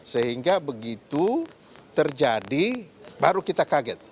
sehingga begitu terjadi baru kita kaget